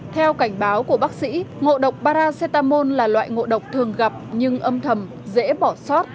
theo cảnh báo của bác sĩ ngộ độc baratamol là loại ngộ độc thường gặp nhưng âm thầm dễ bỏ sót